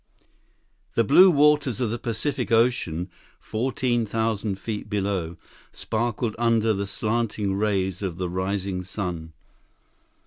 The blue waters of the Pacific Ocean, fourteen thousand feet below, sparkled under the slanting rays of the rising sun.